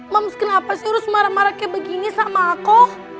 memes kenapa sih harus marah marah kayak begini sama aku